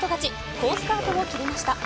好スタートを切りました。